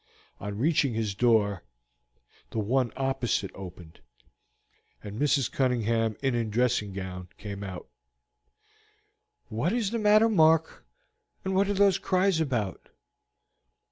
On reaching his door, the one opposite opened, and Mrs. Cunningham in a dressing gown came out. "What is the matter, Mark, and what are these cries about?"